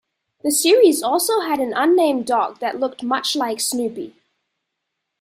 The series also had an unnamed dog that looked much like Snoopy.